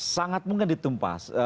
sangat mungkin ditumpas